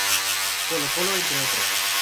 Colo-Colo entre otros.